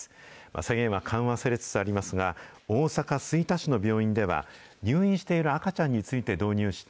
制限は緩和されつつありますが、大阪・吹田市の病院では、入院している赤ちゃんについて導入した